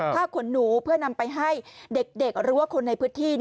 ขนหนูเพื่อนำไปให้เด็กหรือว่าคนในพื้นที่